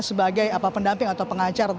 sebagai pendamping atau pengacara